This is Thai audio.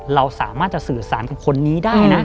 เราสามารถจะสื่อสารกับคนนี้ได้นะ